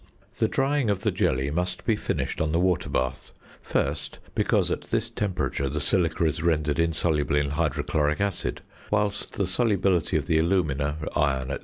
The drying of the jelly must be finished on the water bath; first, because at this temperature the silica is rendered insoluble in hydrochloric acid, whilst the solubility of the alumina, iron, &c.